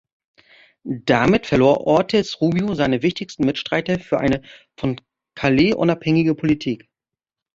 Damit verlor Ortiz Rubio seine wichtigsten Mitstreiter für eine von Calles unabhängige Politik.